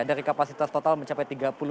dari kapasitas total mencapai tiga puluh lima